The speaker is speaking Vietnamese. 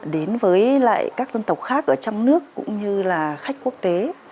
đến với các dân tộc khác ở trong nước cũng như là khách quốc tế